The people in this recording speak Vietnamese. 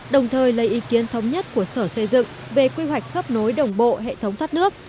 đồng thời lấy ý kiến thống nhất của sở xây dựng về quy hoạch khắp nối đồng bộ hệ thống thoát nước